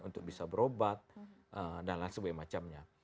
untuk bisa berobat dan lain sebagainya